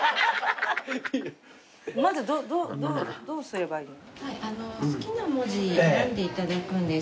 まずどうすればいいの？